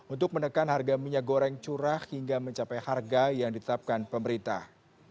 untuk menekan harga minyak goreng curah hingga mencapai harga yang ditetapkan pemerintah